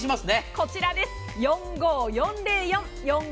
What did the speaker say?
こちら、４５４０４。